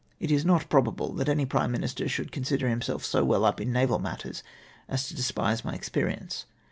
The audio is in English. It is not probable that any prime minister should consider himself so well up in naval matters as to despise my experience.